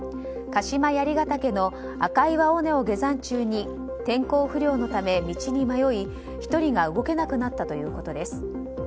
鹿島槍ケ岳の赤岩尾根を下山中に天候不良のため、道に迷い１人が動けなくなったということです。